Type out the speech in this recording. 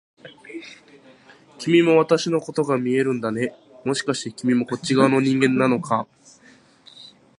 君も私のことが見えるんだね、もしかして君もこっち側の人間なのか？